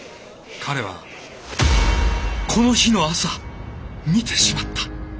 彼はこの日の朝見てしまった。